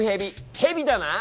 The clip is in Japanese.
ヘビだな？